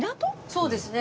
そうですね。